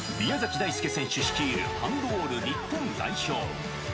大輔選手率いるハンドボール日本代表。